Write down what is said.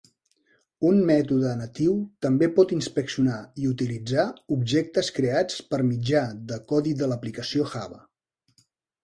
Un mètode natiu també pot inspeccionar i utilitzar objectes creats per mitjà de codi de l'aplicació Java.